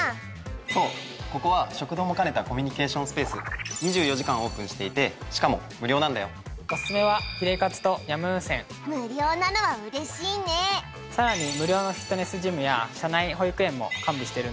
そうここは食堂も兼ねた２４時間オープンしていてしかも無料なんだよオススメはヒレカツとヤムウンセン無料なのはうれしいねさらに無料のフィットネスジムや社内保育園も完備しているんだよ